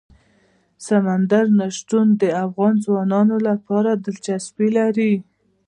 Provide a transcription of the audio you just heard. سمندر نه شتون د افغان ځوانانو لپاره دلچسپي لري.